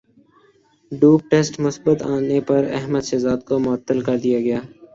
dope test مثبت انے پر احمد شہزاد کومعطل کردیاگیا